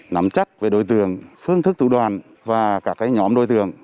nắm chắc về đối tượng phương thức thủ đoàn và các nhóm đối tượng